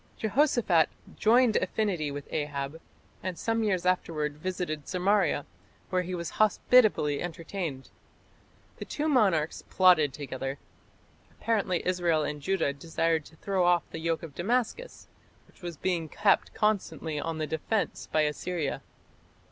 Jehoshaphat "joined affinity with Ahab", and some years afterwards visited Samaria, where he was hospitably entertained. The two monarchs plotted together. Apparently Israel and Judah desired to throw off the yoke of Damascus, which was being kept constantly on the defence by Assyria.